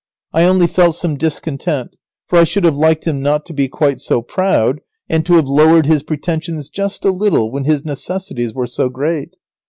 I only felt some discontent, for I should have liked him not to be quite so proud, and to have lowered his pretensions just a little when his necessities were so great.